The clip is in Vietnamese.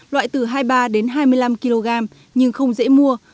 loại từ hai mươi ba đến hai mươi năm kg nhưng không dễ mua